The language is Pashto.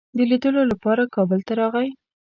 د لیدلو لپاره کابل ته راغی.